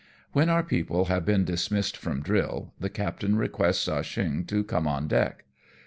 When our people have been dismissed from drill, the captain requests Ah Cheong to come on deck.